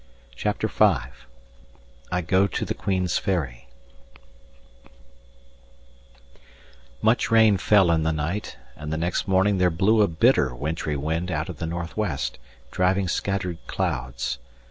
CHAPTER V I GO TO THE QUEEN'S FERRY Much rain fell in the night; and the next morning there blew a bitter wintry wind out of the north west, driving scattered clouds.